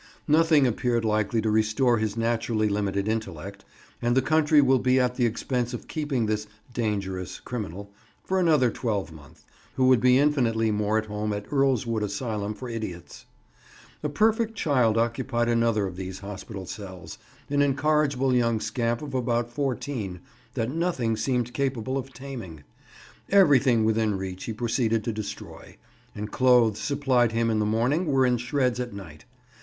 Nothing appeared likely to restore his naturally limited intellect, and the country will be at the expense of keeping this "dangerous criminal" for another twelvemonth, who would be infinitely more at home at Earlswood Asylum for Idiots. A perfect child occupied another of these hospital cells, an incorrigible young scamp of about fourteen, that nothing seemed capable of taming. Everything within reach he proceeded to destroy, and clothes supplied him in the morning were in shreds at night.